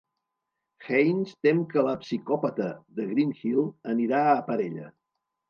Haines tem que la psicòpata de Greenhill anirà a per ella.